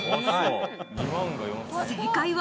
正解は。